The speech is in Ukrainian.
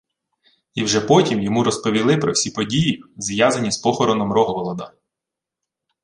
І вже потім йому розповіли про всі події, зв'язані з похороном Рогволода...